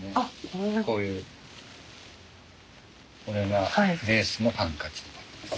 こういうこれがレースのハンカチになります。